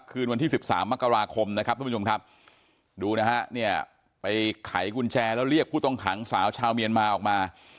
คืนวันที่๑๓มกราคมดูนะครับไปไขกุญแจแล้วเรียกผู้ต้องขังสาวชาวเมียนมาออกมา